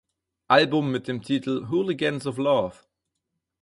Album mit dem Titel "Hooligans of Love".